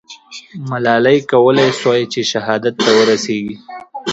ملالۍ کولای سوای چې شهادت ته ورسېږي.